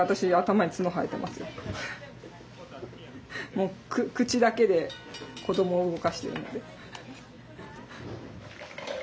もう口だけで子どもを動かしてるので。